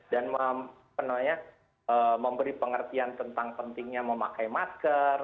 dan memenuhi memberi pengertian tentang pentingnya memakai masker